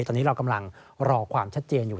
ตอนนี้เรากำลังรอความชัดเจนอยู่